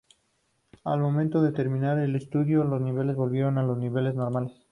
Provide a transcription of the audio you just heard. Al momento de terminar el estudio, los niveles volvieron a los niveles normales.